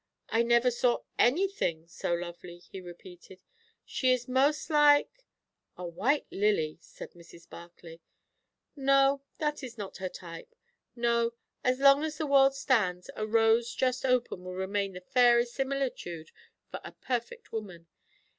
"I never saw anything so lovely!" he repeated. "She is most like " "A white lily," said Mrs. Barclay. "No, that is not her type. No. As long as the world stands, a rose just open will remain the fairest similitude for a perfect woman.